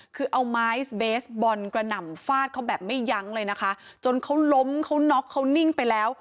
คือเอาไม้เบสบอลกระหน่ำฟาดเขาแบบไม่ยั้งเลยนะคะจนเขาล้มเขาน็อกเขานิ่งไปแล้ว